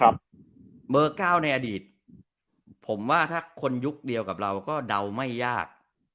เบอร์๙ในอดีตผมว่าถ้าคนยุคเดียวกับเราก็เดาไม่ยาก